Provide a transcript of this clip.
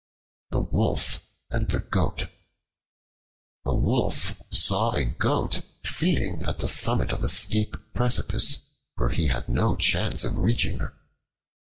The Wolf and the Goat A WOLF saw a Goat feeding at the summit of a steep precipice, where he had no chance of reaching her.